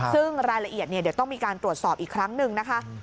ซึ่งรายละเอียดเดี๋ยวต้องมีการตรวจสอบอีกครั้งหนึ่งนะคะ